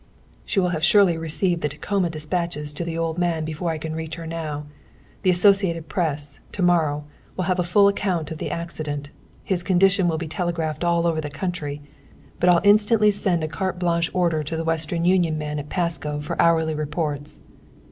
"She will have surely received the Tacoma dispatches to the old man before I can reach her now. The Associated Press, to morrow, will have a full account of the accident. His condition will be telegraphed all over the country. But I'll instantly send a carte blanche order to the Western Union man at Pasco for hourly reports."